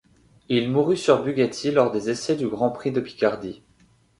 Il mourut sur Bugatti lors des essais du Grand Prix de Picardie.